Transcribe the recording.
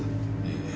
ええ。